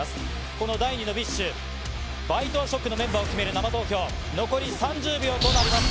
この第２のＢｉＳＨ、ＢｉＴＥＡＳＨＯＣＫのメンバーを決める生投票、残り３０秒となります。